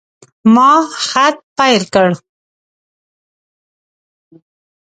ما خط پیل کړ.